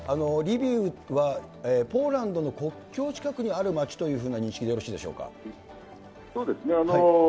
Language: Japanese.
リビウは、ポーランドの国境近くにある町というふうな認識でよろしいでしょそうです。